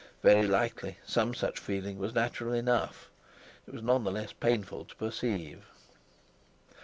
Very likely some such feeling was natural enough; it was none the less painful to perceive.